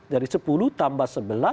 dari sepuluh tambah sebelas